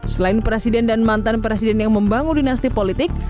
selain presiden dan mantan presiden yang membangun dinasti politik